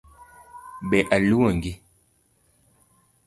Be aluongi?